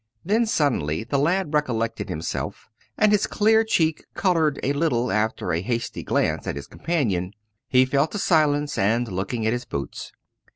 Then suddenly the lad recollected himself and his clear cheek coloured a little after a hasty glance at his companion. He fell to silence and looking at his boots.